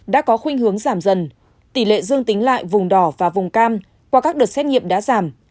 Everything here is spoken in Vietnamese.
đã có khuyên hướng giảm dần tỷ lệ dương tính lại vùng đỏ và vùng cam qua các đợt xét nghiệm đã giảm